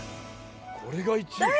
これが１位？